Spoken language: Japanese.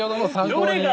どれが。